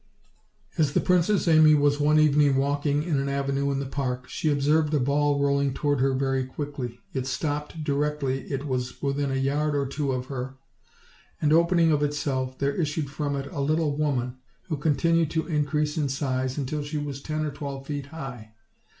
As the Princess Amy was one evening walking in an avenue in the park, she observed a ball rolling toward her very quickly: it stopped directly it was within a yard or two of her, and opening of itself, there issued from it a little woman, who continued to increase in size until she was ten or twelve feet high.